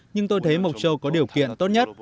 nhưng tôi thấy mộc châu có điều kiện tốt nhất